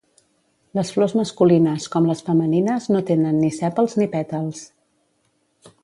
Les flors masculines com les femenines no tenen ni sèpals i ni pètals.